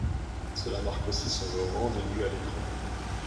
Cela marque aussi son grand début à l'écran.